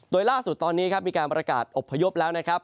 โดยล่าสุดตอนนี้ครับมีการประกาศอบพยพแล้วนะครับ